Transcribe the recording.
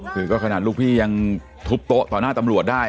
คือก็ขนาดลูกพี่ยังทุบโต๊ะต่อหน้าตำรวจได้